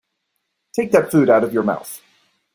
Take that food out of your mouth.